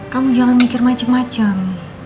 kamu jangan mikir macem macem